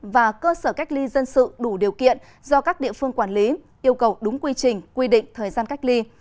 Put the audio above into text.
và cơ sở cách ly dân sự đủ điều kiện do các địa phương quản lý yêu cầu đúng quy trình quy định thời gian cách ly